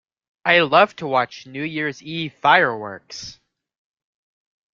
I love to watch New Year's Eve fireworks.